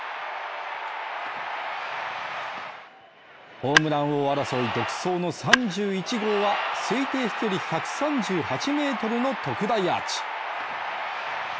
ホームラン王争い独走の３１号は推定飛距離１３８ｍの特大アーチ。